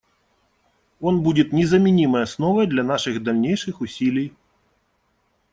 Он будет незаменимой основой для наших дальнейших усилий.